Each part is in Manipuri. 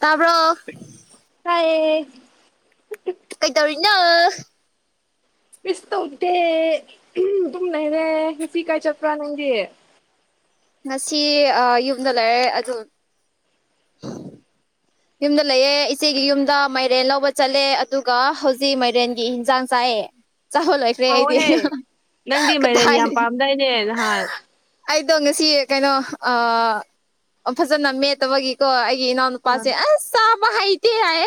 ꯇꯥꯕ꯭ꯔꯣ ꯇꯥꯏꯌꯦ ꯀꯩꯇꯧꯔꯤꯅꯣ ꯀꯥꯔꯤꯁꯨ ꯇꯧꯗꯦ ꯎꯨꯍ ꯗꯨꯝ ꯂꯩꯔꯦ ꯉꯁꯤ ꯀ꯭ꯔꯥꯏ ꯆꯠꯀ꯭ꯔꯥ ꯅꯪꯗꯤ ꯉꯁꯤ ꯑꯥ ꯌꯨꯝꯗ ꯂꯩꯔꯦ ꯑꯗꯨ [inaudible] ꯌꯨꯝꯗ ꯂꯩꯑ ꯏꯆꯦꯒꯤ ꯌꯨꯝꯗ ꯃꯥꯏꯔꯦꯟ ꯂꯧꯕ ꯆꯠꯂꯦ ꯑꯗꯨꯒ ꯍꯧꯖꯤꯛ ꯃꯥꯏꯔꯦꯟꯒꯤ ꯏꯟꯖꯥꯡ ꯆꯥꯏꯑ ꯆꯥꯕ ꯂꯣꯏꯈ꯭ꯔꯦ ꯑꯩꯗꯤ ꯍꯥꯎꯋꯦꯍꯦ ꯅꯪꯗꯤ ꯃꯥꯏꯔꯦꯟ ꯌꯥꯝ ꯀꯗꯥꯏꯗꯒꯤ ꯄꯥꯝꯗꯥꯏꯅꯦ ꯅꯍꯥꯟ ꯑꯩꯗꯣ ꯉꯁꯤ ꯀꯩꯅꯣ ꯑꯥ ꯐꯖꯅ ꯃꯦꯠꯇꯕꯒꯤꯀꯣ ꯑꯩꯒꯤ ꯏꯅꯥꯎꯅ ꯆꯦ ꯑꯁ ꯆꯥꯕ ꯍꯩꯇꯦ ꯍꯥꯏ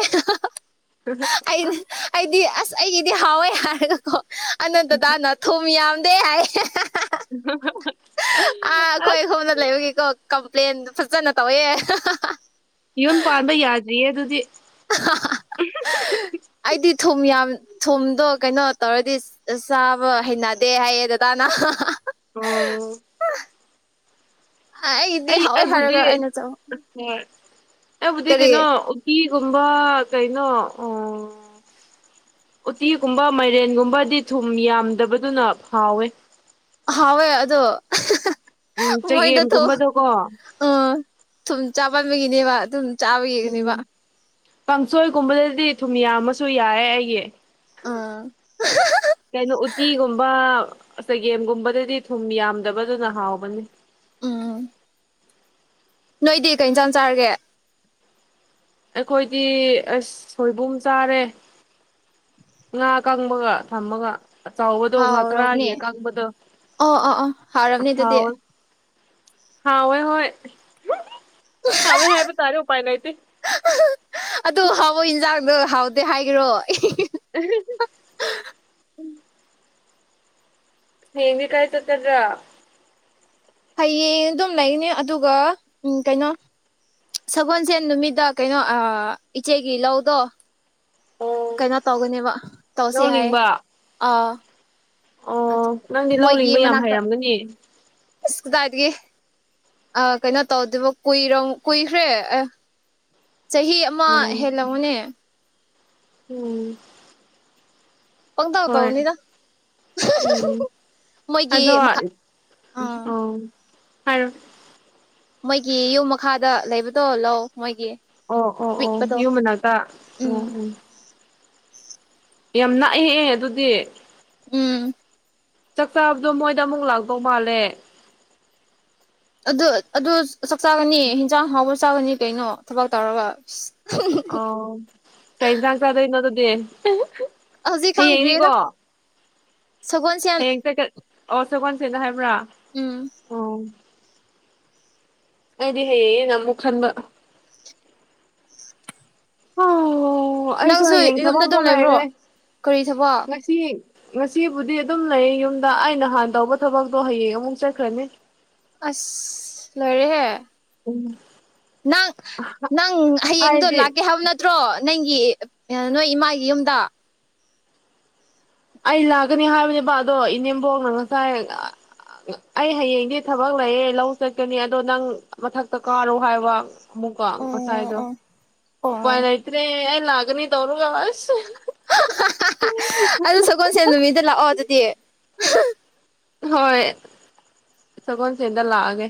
ꯑꯩꯅ ꯑꯩꯗꯤ ꯑꯁ ꯑꯩꯒꯤꯗꯤ ꯍꯥꯎꯋꯦ ꯍꯥꯏꯔꯒꯀꯣ ꯑꯅꯟꯗꯇꯥꯅ ꯊꯨꯝ ꯌꯥꯝꯗꯦ ꯍꯥꯏ ꯑꯣ ꯍꯥ ꯍꯥ ꯍꯥ ꯑꯥ ꯑꯩꯈꯣꯏ ꯍꯣꯝꯗ ꯂꯩꯕꯒꯤꯀꯣ ꯀꯝꯄ꯭ꯂꯦꯟꯗ ꯐꯖꯅ ꯇꯧꯋꯦ ꯌꯨꯝ ꯄꯥꯟꯕ ꯌꯥꯗ꯭ꯔꯤꯌꯦ ꯑꯗꯨꯗꯤ ꯎꯨꯍꯨ ꯑꯩꯗꯤ ꯊꯨꯝ ꯌꯥꯝ ꯊꯨꯝꯗꯣ ꯀꯩꯅꯣ ꯇꯧꯔꯗꯤ ꯑ ꯆꯥꯕ ꯍꯩꯅꯗꯦ ꯍꯥꯏꯌꯦ ꯗꯗꯥꯅ ꯑꯣ ꯑꯩꯒꯤꯗꯤ ꯍꯥꯎꯋꯦ ꯍꯥꯏꯔꯒ ꯑꯩꯅ ꯆꯥꯕ ꯍꯣꯏ ꯑꯗꯨꯕꯨꯗꯤ ꯀꯩꯅꯣ ꯎꯇꯤꯒꯨꯝꯕ ꯀꯩꯅꯣ ꯎꯨ ꯎꯇꯤꯒꯨꯝꯕ ꯃꯥꯏꯔꯦꯟꯒꯨꯝꯕꯗꯤ ꯊꯨꯝ ꯌꯥꯝꯗꯕꯗꯨꯅ ꯍꯥꯎꯋꯦ ꯍꯥꯎꯋꯦ ꯑꯗꯣ ꯍꯥ ꯍꯥ ꯍꯩ ꯎꯝ ꯆꯒꯦꯝꯒꯨꯝꯕꯗꯣꯀꯣ ꯑꯣ ꯊꯨꯝ ꯆꯥꯃꯞꯕꯒꯤꯅꯦꯕ ꯑꯗꯨꯝ ꯆꯥꯕꯒꯤꯅꯦꯕ ꯎꯝ ꯀꯥꯡꯁꯣꯏꯒꯨꯝꯕꯗꯗꯤ ꯊꯨꯝ ꯌꯥꯝꯃꯁꯨ ꯌꯥꯏꯌꯦ ꯑꯩꯒꯤ ꯑꯥ ꯍꯥ ꯍꯥ ꯀꯩꯅꯣ ꯎꯇꯤꯒꯨꯝꯕ ꯆꯒꯦꯝꯒꯨꯝꯕꯗꯗꯤ ꯊꯨꯝ ꯌꯥꯝꯗꯕꯗꯨꯅ ꯍꯥꯎꯕꯅꯤ ꯎꯨꯝ ꯅꯣꯏꯗꯤ ꯀꯩ ꯏꯟꯁꯥꯡ ꯆꯥꯔꯒꯦ ꯑꯩꯈꯣꯏꯗꯤ ꯑꯁ ꯁꯣꯏꯕꯨꯝ ꯆꯥꯔꯦ ꯉꯥ ꯑꯀꯪꯕꯒ ꯊꯝꯃꯒ ꯑꯆꯧꯕꯗꯣ ꯉꯥꯛꯀ꯭ꯔꯥꯒꯤ ꯍꯥꯎꯔꯕꯅꯦ ꯑꯀꯪꯕꯗꯣ ꯑꯣ ꯑꯣ ꯑꯣ ꯍꯥꯎꯔꯕꯅꯤ ꯑꯗꯨꯗꯤ ꯍꯥꯎꯋꯦ ꯍꯥꯎꯋꯦ ꯍꯣꯏ ꯍꯥꯎꯋꯦ ꯍꯥꯏꯕ ꯇꯥꯔꯦ ꯎꯄꯥꯏ ꯂꯩꯇꯦ ꯑꯥ ꯍꯥ ꯍ ꯑꯗꯨ ꯍꯥꯎꯏ ꯌꯦꯟꯁꯥꯡꯗꯣ ꯍꯥꯎꯗꯦ ꯍꯥꯏꯒꯦꯔꯣ ꯑꯍꯥ ꯍꯥ ꯍ ꯎꯝ ꯍꯌꯦꯡꯗꯤ ꯀꯥꯏ ꯆꯠꯀꯥꯗ꯭ꯔ ꯍꯌꯦꯡ ꯑꯗꯨꯝ ꯂꯩꯅꯤ ꯑꯗꯨꯒ ꯎꯝ ꯀꯩꯅꯣ ꯁꯒꯣꯜꯁꯦꯟ ꯅꯨꯃꯤꯗꯥ ꯀꯩꯅꯣ ꯑꯥ ꯏꯆꯦꯒꯤ ꯂꯧꯗꯣ ꯑꯣ ꯀꯩꯅꯣ ꯇꯧꯒꯅꯦꯕ ꯇꯧꯁꯤ ꯂꯧ ꯍꯥꯏ ꯂꯤꯡꯕ ꯑꯥ ꯑ ꯃꯣꯏꯒꯤ ꯃꯅꯥꯛꯇ ꯒꯨꯅꯤ ꯑꯁ ꯀꯗꯥꯏꯗꯒꯤ ꯑ ꯀꯩꯅꯣ ꯇꯧꯗꯨꯕ ꯀꯨꯏꯔꯝ ꯀꯨꯏꯈ꯭ꯔꯦ ꯆꯍꯤ ꯑꯃꯥ ꯎꯝ ꯍꯦꯜꯂꯝꯃꯅꯦ ꯎꯝ ꯄꯪꯇꯧ ꯍꯣꯏ ꯇꯧꯅꯤꯗ ꯎꯝ ꯃꯣꯏꯒꯤ ꯑꯗꯣ ꯃꯈꯥ ꯑꯥ ꯑꯣ ꯍꯥꯏꯔꯣ ꯃꯣꯏꯒꯤ ꯌꯨꯝ ꯃꯈꯥꯗ ꯂꯩꯕꯗꯣ ꯂꯧ ꯃꯣꯏꯒꯤ ꯑꯣ ꯑꯣ ꯑꯣ ꯄꯤꯛꯄꯗꯣ ꯌꯨꯝ ꯃꯅꯥꯛꯇ ꯑꯣ ꯎꯝ ꯑꯣꯝ ꯌꯥꯝ ꯅꯥꯛꯑꯦꯍꯦ ꯑꯗꯨꯗꯤ ꯎꯝ ꯆꯥꯛ ꯆꯥꯕꯗꯣ ꯃꯣꯏꯗ ꯑꯃꯨꯛ ꯂꯥꯛꯇꯧ ꯃꯥꯜꯂꯦ ꯑꯗꯨ ꯑꯗꯨ ꯆꯥꯛ ꯆꯥꯒꯅꯤ ꯍꯤꯟꯖꯥꯡ ꯍꯥꯎꯕ ꯆꯥꯒꯅꯤ ꯀꯩꯅꯣ ꯊꯕꯛ ꯇꯧꯔꯒ ꯑꯣ ꯀꯩ ꯍꯤꯟꯖꯥꯡ ꯆꯥꯗꯨꯏꯅꯣ ꯑꯗꯨꯗꯤ ꯍꯧꯖꯤꯛ ꯈꯪꯗ꯭ꯔꯤꯔ ꯍꯌꯦꯡꯅꯤꯀꯣ ꯁꯒꯣꯜꯁꯦꯟ ꯍꯌꯦꯡ ꯑꯣ ꯁꯒꯣꯜꯁꯦꯟ ꯍꯥꯏꯕ꯭ꯔꯥ ꯎꯝ ꯑꯣ ꯑꯩꯗꯤ ꯍꯩꯌꯦꯅ ꯑꯃꯨꯛ ꯈꯟꯕ ꯍ ꯑꯣ ꯑꯩꯁꯨ ꯅꯪꯁꯨ ꯍꯌꯦꯡ ꯌꯨꯝꯗ ꯊꯕꯛ ꯑꯗꯨꯝ ꯑꯃꯨꯛ ꯂꯩꯕ꯭ꯔꯣ ꯂꯩꯔꯦ ꯀꯔꯤ ꯊꯕꯛ ꯉ ꯁꯤ ꯉꯁꯤꯕꯨꯗꯤ ꯑꯗꯨꯝ ꯂꯩ ꯌꯨꯝꯗ ꯑꯩꯅ ꯍꯥꯟ ꯇꯧꯕ ꯊꯕꯛꯇꯣ ꯍꯌꯦꯡ ꯑꯃꯨꯛ ꯆꯠꯈ꯭ꯔꯅꯤ ꯑꯁ ꯂꯣꯏꯔꯦꯍꯦ ꯎꯝ ꯅꯪ ꯅꯪ ꯍꯌꯦꯡꯗꯣ ꯑꯩꯗꯤ ꯂꯥꯛꯀꯦ ꯍꯥꯏꯕ ꯅꯠ ꯇ꯭ꯔꯣ ꯅꯪꯒꯤ ꯅꯣꯏ ꯏꯃꯥꯒꯤ ꯌꯨꯝꯗ ꯑꯩ ꯂꯥꯛꯀꯅꯤ ꯍꯥꯏꯕꯅꯦꯕ ꯑꯗꯣ ꯏꯅꯦꯝꯕꯣꯛꯅ ꯉꯁꯥꯏ ꯑꯩ ꯍꯌꯦꯡꯗꯤ ꯊꯕꯛ ꯂꯩꯌꯦ ꯂꯧ ꯆꯠꯀꯅꯤ ꯑꯗꯣ ꯅꯪ ꯃꯊꯛꯇ ꯀꯥꯔꯣ ꯍꯥꯏꯕ ꯑꯃꯨꯛꯀꯥ ꯑꯣ ꯉꯁꯥꯏꯗꯣ ꯑꯣ ꯎꯄꯥꯢ ꯑꯣ ꯂꯩꯇ꯭ꯔꯦ ꯑꯩ ꯂꯥꯛꯀꯅꯤ ꯇꯧꯔꯒ ꯑꯁ ꯑꯗꯨ ꯁꯒꯣꯜꯁꯦꯜ ꯅꯨꯃꯤꯠꯇ ꯂꯥꯛꯑꯣ ꯑꯗꯨꯗꯤ ꯍꯣꯏ ꯁꯒꯣꯜꯁꯦꯟꯗ ꯂꯥꯛꯑꯒꯦ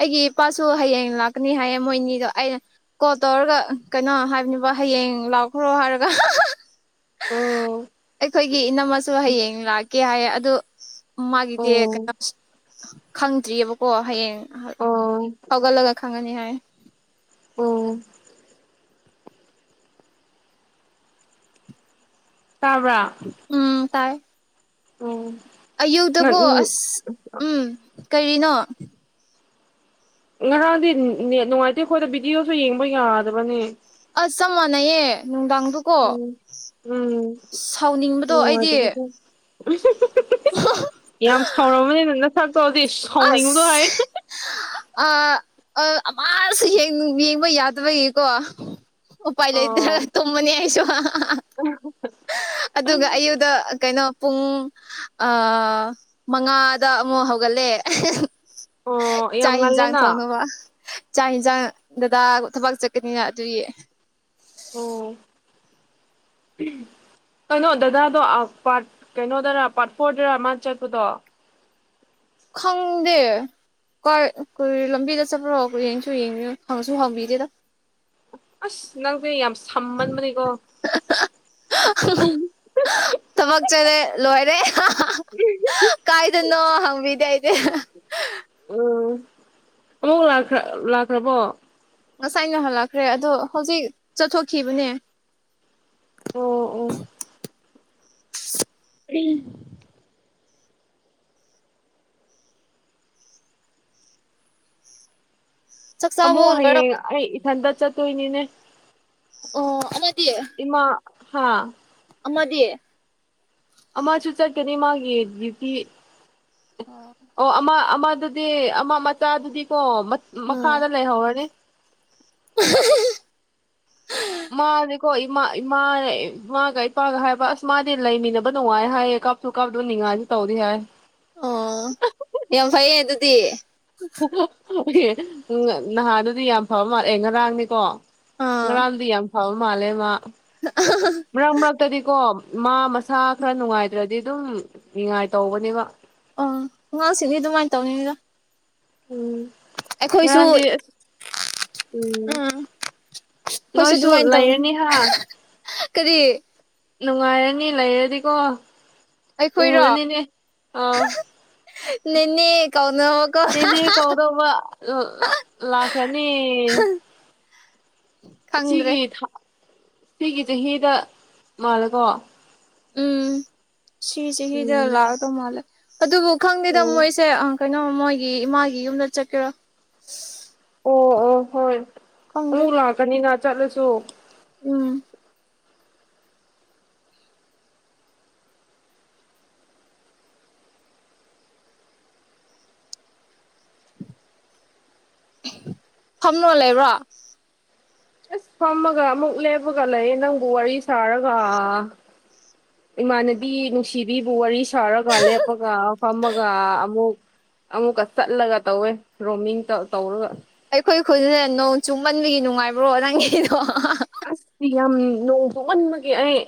ꯑꯩꯒꯤ ꯏꯄꯥꯁꯨ ꯍꯌꯦꯡ ꯂꯥꯛꯀꯅꯤ ꯍꯥꯏꯌꯦ ꯃꯣꯏꯅꯤꯗꯣ ꯑꯩꯅ ꯀꯣꯜ ꯇꯧꯔꯒ ꯀꯩꯅꯣ ꯍꯥꯏꯕꯅꯤꯕ ꯍꯌꯦꯡ ꯂꯥꯛꯈ꯭ꯔꯣ ꯍꯥꯏꯔꯒ ꯑꯣ ꯑꯩꯈꯣꯏꯒꯤ ꯏꯅꯝꯃꯁꯨ ꯍꯌꯦꯡ ꯂꯥꯛꯀꯦ ꯍꯥꯏꯌꯦ ꯑꯗꯨ ꯃꯥꯒꯤꯗꯤ ꯑꯣ ꯀꯩꯅꯣꯁꯨ ꯈꯪꯗ꯭ꯔꯤꯑꯦꯕꯀꯣ ꯍꯌꯦꯡ ꯑꯣ ꯍꯧꯒꯠꯂꯒ ꯈꯪꯉꯅꯤ ꯍꯥꯏꯌꯦ ꯑꯣ ꯇꯥꯕ꯭ꯔ ꯎꯝ ꯇꯥꯏ ꯑꯣ ꯑꯌꯨꯛꯇꯀꯣ ꯑꯁ ꯎꯝ ꯀꯔꯤꯅꯣ ꯉꯔꯥꯡꯗꯤ ꯅꯦꯠ ꯅꯨꯡꯉꯥꯏꯇꯦ ꯈꯣꯏꯗ ꯚꯤꯗꯤꯑꯣꯁꯨ ꯌꯦꯡꯕ ꯌꯥꯗꯕꯅꯦ ꯑꯁ ꯆꯞ ꯃꯥꯟꯅꯩꯌꯦ ꯅꯨꯡꯗꯥꯡꯗꯣꯀꯣ ꯎꯝ ꯎꯝ ꯁꯥꯎꯅꯤꯡꯕꯗꯣ ꯑꯩꯗꯤ ꯅꯨꯡꯉꯥꯏꯇꯕꯗꯣ ꯌꯥꯝ ꯁꯥꯎꯔꯝꯃꯅꯤꯕ ꯅꯁꯛꯇꯣꯗꯤ ꯁꯥꯎꯅꯤꯡꯕꯒ ꯍꯥꯏꯌꯦ ꯑꯥ ꯑꯥ ꯑꯃꯥꯁꯨ ꯍꯦꯛ ꯌꯦꯡꯕ ꯌꯥꯗꯕꯒꯤꯀꯣ ꯎꯄꯥꯏ ꯂꯩꯇ꯭ꯔꯒ ꯑꯣ ꯇꯨꯝꯃꯅꯤ ꯑꯩꯁꯨꯨ ꯑꯗꯨꯒ ꯑꯌꯨꯛꯇ ꯀꯩꯅꯣ ꯄꯨꯡ ꯑ ꯃꯉꯥꯗ ꯑꯃꯨꯛ ꯍꯧꯒꯠꯂꯦ ꯑꯣ ꯆꯥꯛ ꯌꯥꯝ ꯏꯟꯖꯥꯡ ꯉꯜꯂꯦꯅ ꯊꯣꯡꯅꯕ ꯆꯥꯛ ꯏꯟꯖꯥꯡ ꯗꯗꯥ ꯊꯕꯛ ꯆꯠꯀꯅꯤꯅ ꯑꯗꯨꯒꯤ ꯑꯣ ꯀꯩꯅꯣ ꯗꯗꯥꯗꯣ ꯑ ꯄꯥꯔꯠ ꯀꯩꯅꯣꯗꯔꯥ ꯄꯥꯔꯠ ꯐꯣꯔꯗꯔ ꯃꯥ ꯆꯠꯄꯗꯣ ꯈꯪꯗꯦ ꯀꯩ ꯀꯔꯤ ꯂꯝꯕꯤꯗ ꯆꯠꯄ꯭ꯔꯣ ꯌꯦꯡꯁꯨ ꯌꯦꯡꯗꯦꯗ ꯍꯪꯁꯨ ꯍꯪꯕꯤꯗꯦꯗ ꯑꯁ ꯅꯪꯁꯦ ꯌꯥꯝ ꯁꯝꯃꯟꯕꯅꯤꯀꯣ ꯊꯕꯛ ꯆꯠꯂꯦ ꯂꯣꯏꯔꯦ ꯀꯥꯏꯗꯅꯣ ꯍꯪꯕꯤꯗꯦ ꯑꯩꯗꯤ ꯎꯝ ꯑꯃꯨꯛ ꯂꯥꯛꯈ꯭ꯔ ꯂꯥꯛꯈ꯭ꯔꯕꯣ ꯉꯁꯥꯏꯅ ꯍꯜꯂꯛꯈ꯭ꯔꯦ ꯑꯗꯣ ꯍꯧꯖꯤꯛ ꯆꯠꯊꯣꯛꯈꯤꯕꯅꯦ ꯑꯣ ꯑꯣ [unintelligible] ꯆꯥꯛ ꯆꯥꯕ ꯑꯃꯨꯛ ꯂꯣꯏꯔ ꯍꯌꯦꯡ ꯑꯩ ꯏꯊꯟꯇ ꯆꯠꯇꯣꯏꯅꯤꯅꯦ ꯑꯣ ꯑꯃꯗꯤ ꯏꯃꯥ ꯍꯥꯥ ꯑꯃꯗꯤ ꯑꯃꯥꯁꯨ ꯆꯠꯀꯅꯤ ꯃꯥꯒꯤ ꯗ꯭ꯌꯨꯇꯤ ꯑꯥ ꯑꯣ ꯑꯃ ꯑꯃꯗꯨꯗꯤ ꯑꯃ ꯃꯆꯥꯗꯨꯗꯤ ꯀꯣ ꯃ ꯎꯝ ꯃꯈꯥꯗ ꯂꯩꯍꯧꯔꯅꯤ [unintelligible] ꯃꯥꯗꯤꯀꯣ ꯏꯃꯥ ꯏꯃꯥꯅꯦ ꯏꯃꯥꯒ ꯏꯄꯥꯒ ꯍꯥꯏꯕ ꯑꯁ ꯃꯥꯗꯤ ꯂꯩꯃꯤꯟꯅꯕ ꯅꯨꯡꯉꯥꯏ ꯍꯥꯏꯌꯦ ꯀꯞ ꯁ꯭ꯀꯨꯜ ꯀꯥꯕꯗꯣ ꯅꯤꯡꯉꯥꯏꯖꯨ ꯇꯧꯗꯦ ꯍꯥꯏ ꯑꯣ ꯌꯥꯝ ꯐꯩꯌꯦ ꯑꯗꯨꯗꯤ ꯍꯣꯏꯍꯦ ꯅꯍꯥꯟꯗꯨꯗꯤ ꯌꯥꯝ ꯐꯕ ꯃꯥꯜꯂꯦ ꯑꯦ ꯉꯔꯥꯡꯅꯤꯀꯣ ꯑꯥ ꯉꯔꯥꯡꯗꯤ ꯌꯥꯝ ꯐꯕ ꯃꯥꯜꯂꯦ ꯃꯥ ꯃꯔꯛ ꯃꯔꯛꯇꯗꯤꯀꯣ ꯃꯥ ꯃꯁꯥ ꯈꯔ ꯅꯨꯡꯉꯥꯏꯇ꯭ꯔꯗꯤ ꯗꯨꯝ ꯅꯤꯡꯉꯥꯏ ꯇꯧꯕꯅꯦꯕ ꯑꯣ ꯑꯉꯥꯡꯁꯤꯡꯗꯤ ꯗꯨꯃꯥꯏ ꯇꯧꯅꯤꯗ ꯎꯝ ꯑꯩꯈꯣꯏꯁꯨ ꯉꯔꯥꯡꯗꯤ ꯎꯝ ꯑꯩꯈꯣꯏꯁꯨ ꯅꯣꯏꯁꯨ ꯑꯗꯨꯃꯥꯏꯅ ꯇꯧꯅꯤ ꯂꯩꯔꯅꯤ ꯍꯥ ꯀꯔꯤ ꯅꯨꯡꯉꯥꯏꯔꯅꯤ ꯂꯩꯔꯗꯤꯀꯣ ꯑꯩꯈꯣꯏꯔꯣ ꯎꯔꯅꯤꯅꯦ ꯑꯥꯎ ꯅꯦꯅꯦ ꯀꯧꯅꯕ ꯅꯦꯅꯦ ꯀꯧꯗꯧꯕ ꯂꯥꯛꯈ꯭ꯔꯅꯤ ꯈꯪꯗ꯭ꯔꯦ ꯁꯤꯒꯤ ꯊꯥ ꯁꯤꯒꯤ ꯆꯍꯤꯗ ꯃꯥꯜꯂꯦꯀꯣ ꯎꯝ ꯁꯤ ꯆꯍꯤꯗ ꯎꯝ ꯂꯥꯛꯇꯧ ꯃꯥꯜꯂꯦ ꯑꯗꯨꯕꯨ ꯈꯪꯗꯦꯗ ꯎꯝ ꯃꯣꯏꯁꯦ ꯑꯥ ꯀꯩꯅꯣ ꯃꯣꯏꯒꯤ ꯏꯃꯥꯒꯤ ꯌꯨꯝꯗ ꯆꯠꯀꯦꯔ ꯑꯣ ꯑꯣ ꯍꯣꯏ ꯈꯪꯗꯦ ꯑꯃꯨꯛ ꯂꯥꯛꯀꯅꯤꯅ ꯆꯠꯂꯁꯨ ꯎꯝ ꯐꯝꯃ ꯂꯩꯕ꯭ꯔꯣ ꯑꯁ ꯐꯝꯃꯒ ꯑꯃꯨꯛ ꯂꯦꯞꯄꯒ ꯂꯩꯌꯦ ꯅꯪꯕꯨ ꯋꯥꯔꯤ ꯁꯥꯔꯒ ꯏꯃꯥꯟꯅꯕꯤ ꯅꯨꯡꯁꯤꯕꯤꯕꯨ ꯋꯥꯔꯤ ꯁꯥꯔꯒ ꯂꯦꯞꯄꯒ ꯐꯝꯃꯒ ꯑꯃꯨꯛ ꯑꯃꯨꯛꯀ ꯆꯠꯂꯒ ꯇꯧꯋꯦ ꯔꯣꯝꯃꯤꯡ ꯇꯧ ꯇꯧꯔꯒ ꯑꯩꯈꯣꯏ ꯈꯨꯜꯅꯦ ꯅꯣꯡ ꯆꯨꯃꯟꯕꯒꯤ ꯅꯨꯡꯉꯥꯏꯕ꯭ꯔꯣ ꯅꯪꯒꯤꯗꯣ ꯑꯁ ꯇꯤꯌꯥꯝ ꯅꯣꯡ ꯆꯨꯃꯟꯕꯒꯤ ꯑꯩ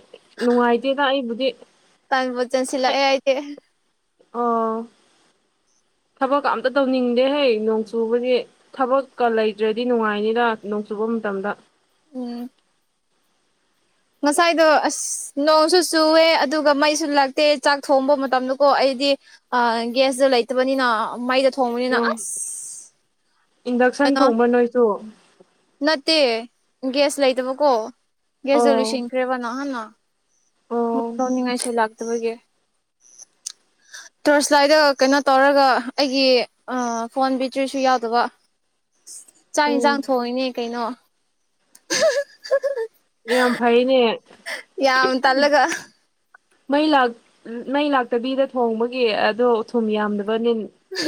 ꯅꯨꯡꯉꯥꯏꯇꯦꯗ ꯑꯩꯕꯨꯗꯤ ꯇꯟꯕꯨ ꯆꯟꯁꯤꯜꯂꯛꯑꯦ ꯑꯩꯗꯤ ꯑꯣ ꯊꯕꯛꯀ ꯑꯝꯇ ꯇꯧꯅꯤꯡꯗꯦ ꯍꯦ ꯅꯣꯡ ꯆꯨꯕꯒꯤ ꯊꯕꯛꯀ ꯂꯩꯇ꯭ꯔꯗꯤ ꯅꯨꯡꯉꯥꯏꯅꯤꯗ ꯅꯣꯡ ꯆꯨꯕ ꯃꯇꯝꯗ ꯎꯝ ꯉꯁꯥꯏꯗꯣ ꯑꯁ ꯅꯣꯡꯁꯨ ꯆꯨꯑꯦ ꯑꯗꯨꯒ ꯃꯩꯁꯨ ꯂꯛꯇꯦ ꯆꯥꯛ ꯊꯣꯡꯕ ꯃꯇꯝꯗꯀꯣ ꯑꯩꯗꯤ ꯑ ꯒ꯭ꯌꯥꯁꯇ ꯂꯩꯇꯕꯅꯤꯅ ꯃꯩꯗ ꯊꯣꯡꯕꯅꯤꯅ ꯑꯣ ꯑꯁ ꯏꯟꯗꯛꯁꯟ ꯀꯩꯅꯣ ꯊꯣꯡꯕ ꯅꯣꯏꯁꯨ ꯅꯠꯇꯦ ꯒ꯭ꯌꯥꯁ ꯂꯩꯇꯕꯀꯣ ꯒ꯭ꯌꯥꯁꯗꯣ ꯑꯣ ꯂꯣꯏꯁꯤꯟꯈꯔ꯭ꯦ ꯕ ꯅꯍꯥꯟꯅ ꯕꯨꯛ ꯑꯣ ꯇꯧꯅꯤꯡꯉꯥꯏꯁꯨ ꯂꯥꯛꯇꯕ ꯍꯧꯒꯦ ꯇꯣꯔꯁꯂꯥꯏꯗ ꯀꯩꯅꯣ ꯇꯧꯔꯒ ꯑꯩꯒꯤ ꯑꯥ ꯐꯣꯟ ꯕꯦꯇꯔꯤ ꯁꯨ ꯌꯥꯎꯗꯕ ꯆꯥꯛ ꯏꯟꯖꯥꯡ ꯎꯝ ꯊꯣꯡꯉꯤꯅꯤ ꯀꯩꯅꯣ ꯌꯥꯝ ꯐꯩꯅꯦ ꯌꯥꯝ ꯇꯜꯂꯒ ꯃꯩ ꯂꯥꯛ ꯎꯝ ꯃꯩ ꯂꯥꯛꯇꯕꯤꯗ ꯊꯣꯡꯕꯒꯤ ꯑꯗꯣ ꯊꯨꯝ ꯌꯥꯝꯗꯕꯅꯤ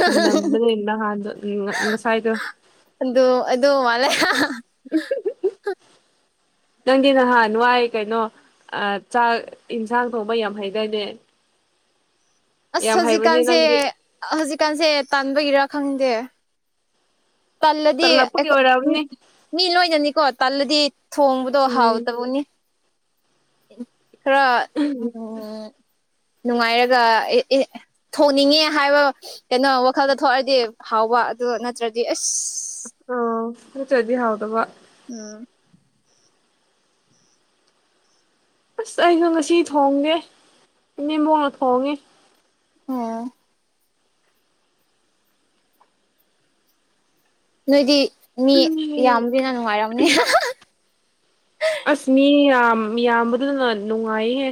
ꯊꯨꯝ ꯅꯝꯗꯕꯒꯤ ꯅꯍꯥꯟꯗꯣ ꯎꯝ ꯉ ꯉꯁꯥꯏꯗꯣ ꯑꯟꯗꯣ ꯑꯗꯣ ꯃꯥꯜꯂꯦ ꯍꯥ ꯍꯥ ꯅꯪꯗꯤ ꯅꯍꯥꯟ ꯋꯥꯏ ꯀꯩꯅꯣ ꯑꯥ ꯆꯥꯛ ꯏꯟꯁꯥꯡ ꯊꯣꯡꯕ ꯌꯥꯝ ꯍꯩꯗꯥꯏꯅꯦ ꯑꯁ ꯌꯥꯝ ꯍꯩꯕꯅꯦ ꯍꯧꯖꯤꯛꯀꯥꯟꯁꯦ ꯅꯪꯗꯤ ꯍꯧꯖꯤꯛꯀꯥꯟꯁꯦ ꯇꯟꯕꯒꯤꯔ ꯈꯪꯗꯦ ꯇꯜꯂꯗꯤ ꯇꯜꯂꯛꯄꯒꯤ ꯑꯩꯈꯣ ꯎꯝ ꯑꯣꯏꯔꯝꯅꯤ ꯃꯤ ꯂꯣꯏꯅꯅꯤꯀꯣ ꯇꯜꯂꯗꯤ ꯊꯣꯡꯕꯗꯣ ꯎꯝ ꯍꯥꯎꯇꯕꯅꯤ ꯈꯔ ꯅꯨꯡꯉꯥꯏꯔꯒ ꯑꯦ ꯑꯦ ꯊꯣꯡꯅꯤꯡꯉꯦ ꯍꯥꯏꯕ ꯀꯩꯅꯣ ꯋꯥꯈꯜꯗ ꯊꯣꯛꯑꯗꯤ ꯍꯥꯎꯕ ꯑꯗꯨ ꯅꯠꯇ꯭ꯔꯗꯤ ꯑꯁ ꯎꯝ ꯅꯠꯇ꯭ꯔꯥꯗꯤ ꯍꯥꯎꯇꯕ ꯎꯝ ꯑꯁ ꯑꯩꯁꯨ ꯉꯁꯤ ꯊꯣꯡꯒꯦ ꯏꯅꯦꯝꯕꯣꯛꯅ ꯊꯣꯡꯉꯦ ꯑꯣ ꯅꯣꯏꯗꯤ ꯃꯤ ꯎꯝ ꯌꯥꯝꯕꯅꯤꯅ ꯅꯨꯡꯉꯥꯏꯔꯝꯅꯤ ꯑꯁ ꯃꯤ ꯌꯥꯝ ꯌꯥꯝꯕꯗꯨꯅ ꯅꯨꯡꯉꯥꯏꯍꯦ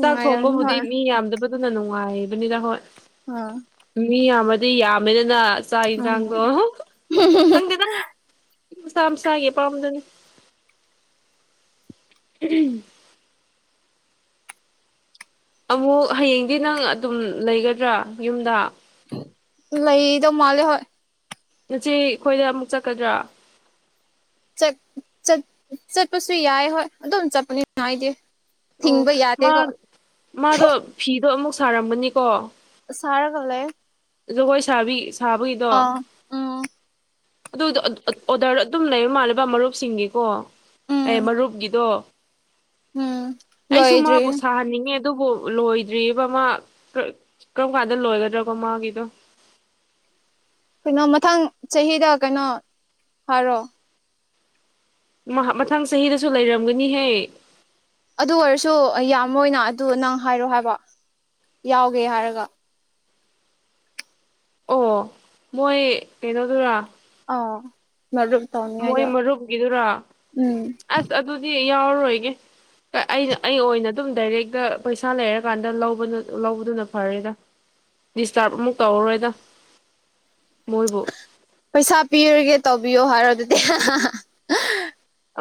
ꯆꯥꯛ ꯊꯣꯡꯕꯕꯨꯗꯤ ꯍꯣꯏ ꯃꯤ ꯌꯥꯝꯗꯕꯗꯨꯅ ꯅꯨꯡꯉꯥꯏꯕꯅꯤꯗ ꯍꯣꯏ ꯑꯥ ꯃꯤ ꯌꯥꯝꯃꯗꯤ ꯌꯥꯝꯃꯦꯗꯅ ꯆꯥꯛ ꯌꯦꯟꯁꯥꯡꯗꯣ ꯈꯪꯗꯦꯗ ꯃꯁꯥ ꯃꯁꯥꯒꯤ ꯑꯄꯥꯝꯕꯗꯨꯅꯤ ꯑꯃꯨꯛ ꯍꯌꯦꯡꯗꯤ ꯅꯪ ꯑꯗꯨꯝ ꯂꯩꯒꯗ꯭ꯔꯥ ꯌꯨꯝꯗ ꯂꯩꯗꯧ ꯃꯥꯜꯂꯦ ꯍꯣꯏ꯫ ꯅꯆꯦ ꯈꯣꯏꯗ ꯑꯃꯨꯛ ꯆꯠꯀꯗ꯭ꯔꯥ? ꯆꯠ ꯆꯠ ꯆꯠꯄꯁꯨ ꯌꯥꯏ ꯍꯣꯏ ꯑꯗꯨꯝ ꯆꯠꯄꯅꯤꯅ ꯑꯩꯗꯤ ꯑꯣ ꯊꯤꯡꯕ ꯃꯥ ꯌꯥꯗꯦꯀꯣ ꯃꯥꯗꯣ ꯐꯤꯗꯣ ꯑꯃꯨꯛ ꯁꯥꯔꯝꯒꯅꯤꯀꯣ ꯁꯥꯔꯒ ꯂꯩꯌꯦ ꯖꯒꯣꯏ ꯁꯥꯕꯤ ꯁꯥꯕꯒꯤꯗꯣ ꯎꯝ ꯑꯗꯨꯗꯣ ꯑꯣꯗꯔ ꯑꯗꯨꯝ ꯂꯩꯕ ꯃꯥꯜꯂꯦꯕ ꯃꯔꯨꯞꯁꯤꯡꯒꯤꯀꯣ ꯎꯝ ꯑꯦ ꯃꯔꯨꯞꯀꯤꯗꯣ ꯎꯝ ꯑꯩꯁꯨ ꯂꯣꯏꯗ꯭ꯔꯤ ꯃꯥꯕꯨ ꯁꯥꯍꯟꯅꯤꯡꯉꯦ ꯑꯗꯨꯕꯨ ꯂꯣꯏꯗ꯭ꯔꯤꯌꯦꯕ ꯃꯥ ꯀ ꯀꯔꯝ ꯀꯥꯟꯗ ꯂꯣꯏꯒꯗ꯭ꯔꯥꯕ ꯃꯥꯒꯤꯗꯣ ꯀꯩꯅꯣ ꯃꯊꯪ ꯆꯍꯤꯗ ꯀꯩꯅꯣ ꯍꯥꯏꯔꯣ ꯃꯍꯥ ꯃꯊꯪ ꯆꯍꯤꯗꯁꯨ ꯂꯩꯔꯝꯒꯅꯤꯍꯦ ꯑꯗꯨ ꯑꯣꯏꯔꯁꯨ ꯌꯥꯝꯃꯣꯏꯅ ꯑꯗꯨ ꯅꯪ ꯍꯥꯏꯔꯣ ꯍꯥꯏꯕ ꯌꯥꯎꯒꯦ ꯍꯥꯏꯔꯒ ꯑꯣ ꯃꯣꯏ ꯀꯩꯩꯅꯣꯗꯨꯔꯥ ꯑꯧ ꯃꯔꯨꯞ ꯃꯣꯏ ꯇꯧꯅꯤꯡꯉꯥꯏꯗꯣ ꯃꯔꯨꯞꯀꯤꯗꯨꯔꯥ ꯎꯝ ꯑꯁ ꯑꯗꯨꯗꯤ ꯌꯥꯎꯔꯣꯏꯒꯦ ꯑꯥ ꯑꯩꯅ ꯑꯩ ꯑꯣꯏꯅ ꯑꯗꯨꯝ ꯗꯥꯏꯔꯦꯛꯇ ꯄꯩꯁꯥ ꯂꯩꯔꯀꯥꯟꯗ ꯂꯧꯕꯗꯨ ꯂꯧꯕꯗꯨꯅ ꯐꯔꯦꯗ ꯗꯤꯁꯇꯕ ꯑꯃꯨꯛ ꯇꯧꯔꯔꯣꯏꯗ ꯃꯣꯏꯕꯨ ꯄꯩꯁꯥ ꯄꯤꯔꯒꯦ ꯇꯧꯕꯤꯌꯣ ꯍꯥꯏꯔꯣ ꯑꯗꯨꯗꯤ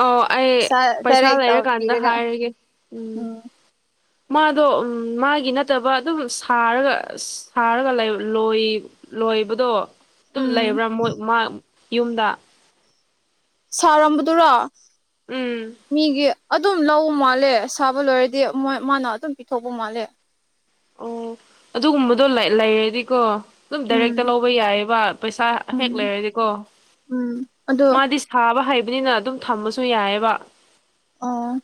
ꯑꯣ ꯑꯩ ꯄꯩꯁꯥ ꯄꯩꯁꯥ ꯗꯥꯏꯔꯦꯛ ꯇꯧ ꯂꯩꯔꯀꯥꯟꯗ ꯄꯤꯔꯒ ꯍꯥꯏꯔꯒꯦ ꯎꯝ ꯃꯥꯗꯣ ꯃꯥꯒꯤ ꯅꯠꯇꯕ ꯑꯗꯨꯝ ꯁꯥꯔꯒ ꯁꯥꯔꯒ ꯂꯩ ꯂꯣꯏ ꯂꯣꯏꯕꯗꯣ ꯑꯗꯨꯝ ꯎꯝ ꯂꯩꯕ꯭ꯔꯥ ꯃꯣꯏ ꯃꯥ ꯌꯨꯝꯗ ꯁꯧꯔꯝꯕꯗꯨꯔꯣ ꯎꯝ ꯃꯤꯒꯤ ꯑꯗꯨꯝ ꯂꯧꯕ ꯃꯥꯜꯂꯦ ꯁꯥꯕ ꯂꯣꯏꯔꯗꯤ ꯃꯣꯏ ꯃꯥꯅ ꯑꯗꯨꯝ ꯄꯤꯊꯣꯛꯄ ꯃꯥꯜꯂꯦ ꯑꯣ ꯑꯗꯨꯒꯨꯝꯕꯗꯣ ꯂꯩꯔꯗꯤꯀꯣ ꯑꯗꯨꯝ ꯎꯝ ꯗꯥꯏꯔꯦꯛꯇ ꯂꯧꯕ ꯌꯥꯏꯑꯕ ꯄꯩꯁꯥ ꯍꯦꯛ ꯎꯝ ꯂꯩꯔꯗꯤꯀꯣ ꯎꯝ ꯑꯗꯣ ꯃꯥꯗꯤ ꯊꯥꯕ ꯍꯩꯕꯅꯤꯅ ꯑꯗꯨꯝ ꯊꯃꯁꯨ ꯌꯥꯏꯑꯦꯕ ꯑꯣ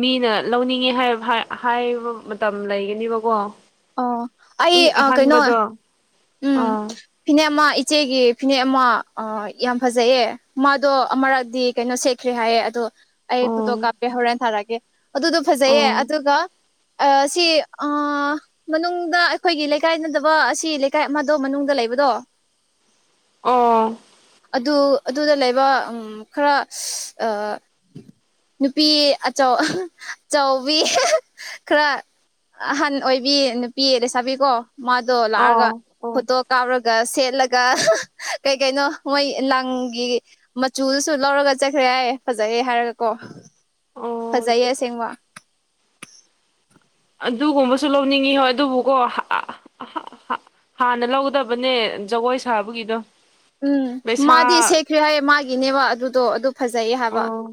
ꯃꯤꯅ ꯂꯧꯅꯤꯡꯉꯦ ꯍꯥꯏ ꯍꯥꯏꯕ ꯃꯇꯝ ꯂꯩꯒꯅꯦꯕꯀꯣ ꯑꯣ ꯑꯩ ꯑꯥ ꯀꯩꯅꯣ ꯎꯝ ꯑꯥ ꯐꯤꯅꯦꯛ ꯑꯃ ꯏꯆꯦꯒꯤ ꯐꯤꯅꯦꯛ ꯑꯃ ꯌꯥꯝ ꯐꯖꯩꯌꯦ ꯃꯥꯗꯣ ꯑꯃꯔꯛꯇꯗꯤ ꯀꯩꯅꯣ ꯁꯦꯠ ꯈ꯭ꯔꯦ ꯍꯥꯏꯌꯦ ꯑꯗꯣ ꯑꯩ ꯑꯣ ꯐꯣꯇꯣ ꯀꯥꯞꯄꯦ ꯍꯣꯔꯦꯟ ꯊꯥꯔꯛꯑꯒꯦ ꯑꯗꯨꯗꯣ ꯐꯖꯩꯌꯦ ꯑꯣ ꯑꯗꯨꯒ ꯁꯤ ꯃꯅꯨꯡꯗ ꯑꯩꯈꯣꯏꯒꯤ ꯂꯩꯀꯥꯏ ꯅꯠꯗꯕ ꯑꯁꯤ ꯂꯩꯀꯥꯢ ꯑꯃꯗꯣ ꯃꯅꯨꯡꯗ ꯂꯩꯕꯗꯣ ꯑꯣ ꯑꯗꯨ ꯑꯗꯨꯗ ꯂꯩꯕ ꯈꯔ ꯅꯨꯄꯤ ꯑꯆꯧ ꯑꯆꯧꯕꯤ ꯈꯔ ꯑꯍꯟ ꯑꯣꯏꯕꯤ ꯅꯨꯄꯤ ꯂꯩꯁꯥꯕꯤꯀꯣ ꯃꯥꯗꯣ ꯂꯥꯛꯑꯒ ꯑꯣ ꯑꯣ ꯐꯣꯇꯣ ꯀꯥꯎꯔꯒ ꯁꯦꯠꯂꯒ ꯀꯩ ꯀꯩꯅꯣ ꯃꯣꯏ ꯂꯪꯒꯤ ꯃꯆꯨꯗꯨꯁꯨ ꯂꯧꯔꯒ ꯆꯠꯈ꯭ꯔꯦ ꯌꯥꯌꯦ ꯐꯖꯩꯑꯦ ꯍꯥꯏꯔꯒꯀꯣ ꯑꯣ ꯐꯖꯩꯌꯦ ꯑꯁꯦꯡꯕ ꯑꯗꯨꯒꯨꯝꯕꯁꯨ ꯂꯧꯅꯤꯡꯉꯤ ꯍꯣꯏ ꯑꯗꯨꯕꯨꯀꯣ ꯍꯥꯟꯅ ꯂꯧꯗꯕꯅꯦ ꯖꯒꯣꯏ ꯁꯥꯕꯒꯤꯗꯣ ꯎꯝ ꯄꯩꯁꯥ ꯃꯥꯗꯤ ꯁꯦꯈ꯭ꯔꯦ ꯍꯥꯏꯌꯦ ꯃꯥꯒꯤꯅꯦꯕ ꯑꯗꯨꯗꯣ ꯑꯗꯨ ꯐꯖꯩꯌꯦ ꯍꯥꯏꯕ ꯑꯣ